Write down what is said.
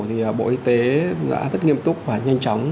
thì bộ y tế đã rất nghiêm túc và nhanh chóng